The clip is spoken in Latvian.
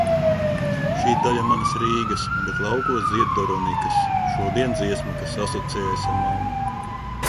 Šī daļa manas Rīgas. Bet laukos zied doronikas. Šodien dziesma, kas asociējas ar mammu.